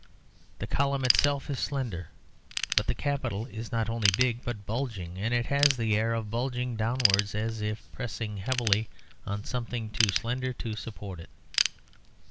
The column itself is slender but the capital is not only big but bulging; and it has the air of bulging downwards, as if pressing heavily on something too slender to support it.